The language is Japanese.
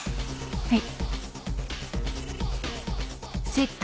はい。